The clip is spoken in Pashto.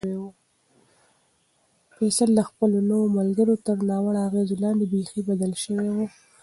فیصل د خپلو نویو ملګرو تر ناوړه اغېز لاندې بیخي بدل شوی و.